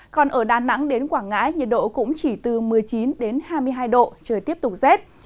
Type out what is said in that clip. còn ở đà nẵng đến quảng ngãi nhiệt độ cũng chỉ từ một mươi chín đến hai mươi hai độ trời tiếp tục rét